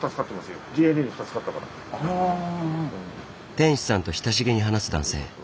店主さんと親しげに話す男性。